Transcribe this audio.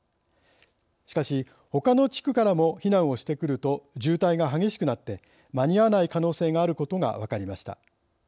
しかしほかの地区からも避難をしてくると渋滞が激しくなって間に合わない可能性があることが分かりました。